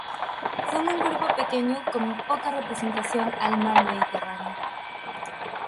Son un grupo pequeño con poca representación al mar Mediterráneo.